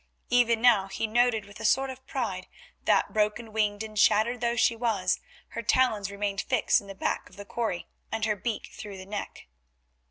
Even now he noted with a sort of pride that broken winged and shattered though she was, her talons remained fixed in the back of the quarry, and her beak through the neck.